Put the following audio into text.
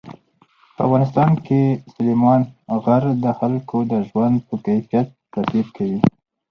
په افغانستان کې سلیمان غر د خلکو د ژوند په کیفیت تاثیر کوي.